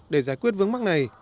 để giải quyết vướng mắt này